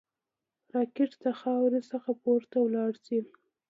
راکټ د خاورې څخه پورته ولاړ شي